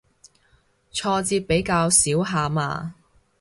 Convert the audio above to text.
挫折比較少下嘛